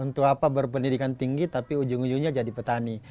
untuk apa berpendidikan tinggi tapi ujung ujungnya jadi petani